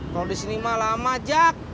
kalau di sini mah lama jak